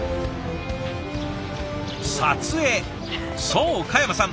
そう嘉山さん